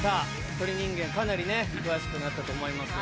『鳥人間』かなりね詳しくなったと思いますが。